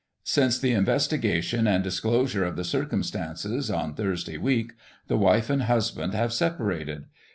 Since the investigation and disclosure of the circumstances, on Thursday week, the wife and husband have separated.